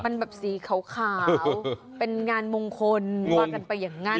มันแบบสีขาวเป็นงานมงคลว่ากันไปอย่างนั้น